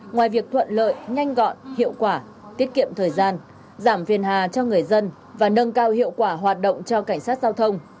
ngoài việc thuận lợi nhanh gọn hiệu quả tiết kiệm thời gian giảm phiền hà cho người dân và nâng cao hiệu quả hoạt động cho cảnh sát giao thông